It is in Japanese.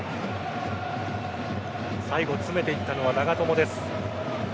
最後、詰めていったのは長友です。